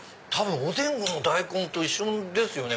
おでんの大根と一緒ですよね。